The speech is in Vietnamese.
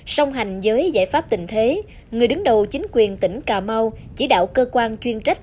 song hành với giải pháp tình thế người đứng đầu chính quyền tỉnh cà mau chỉ đạo cơ quan chuyên trách